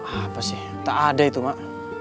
apa sih tak ada itu mak